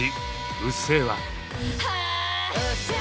「うっせぇわ」！